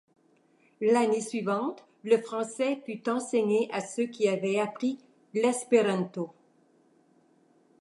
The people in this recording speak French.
L'année suivante, le français fut enseigné à ceux qui avaient appris l'espéranto.